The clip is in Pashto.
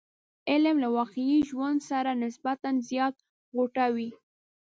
علم له واقعي ژوند سره نسبتا زیات غوټه وي.